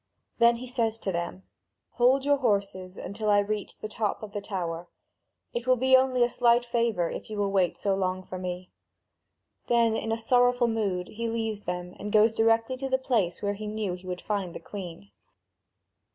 Then he says to them: "Hold in your horses until I reach the top of the tower. It will be only a slight favour, if you will wait so long for me." Then in sorrowful mood he leaves them and goes directly to the place where he knew he would find the Queen.